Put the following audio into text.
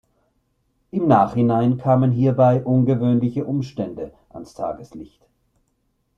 Im Nachhinein kamen hierbei ungewöhnliche Umstände ans Tageslicht.